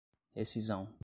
rescisão